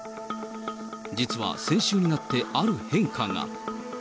実は先週になって、ある変化が。